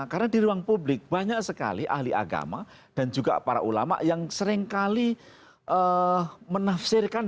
karena di ruang publik banyak sekali ahli agama dan juga para ulama yang seringkali menafsirkan